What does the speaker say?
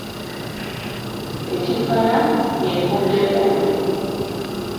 Ekipaala y'empuuta enkulu.